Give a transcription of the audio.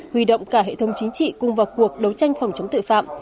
huy động cả hệ thống chính trị cùng vào cuộc đấu tranh phòng chống tội phạm